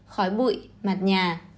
khói bụi mặt nhà